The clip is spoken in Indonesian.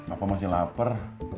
aku masih lapar